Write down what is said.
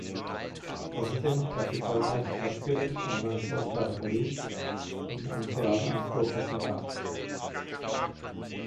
Außerdem gab sie zahlreiche Gastspiele am Renaissance-Theater Berlin und am Theater am Kurfürstendamm.